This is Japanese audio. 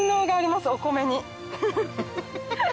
お米に。